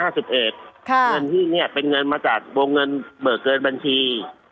เงินที่นี่เป็นเงินมาจากวงเงินเบิกเกินบัญชี